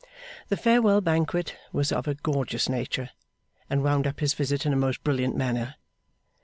The farewell banquet was of a gorgeous nature, and wound up his visit in a most brilliant manner.